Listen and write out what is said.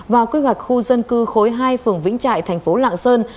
và quy hoạch khu dân cư khối hai phường vĩnh trại thành phố lạng sơn